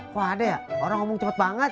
kok ada ya orang ngomong cepet banget